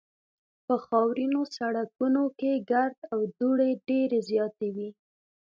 په خاورینو سړکونو کې ګرد او دوړې ډېرې زیاتې وې